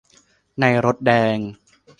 ในรถแดง